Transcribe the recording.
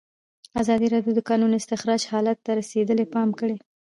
ازادي راډیو د د کانونو استخراج حالت ته رسېدلي پام کړی.